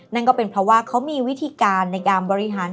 นั่นก็เป็นเพราะว่าเขามีวิธีการในการบริหาร